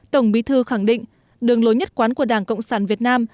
tổng bí thư khẳng định đường lối nhất quán của đảng cộng sản việt nam